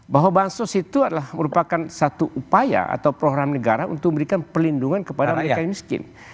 bahwa bansos itu adalah merupakan satu upaya atau program negara untuk memberikan perlindungan kepada mereka yang miskin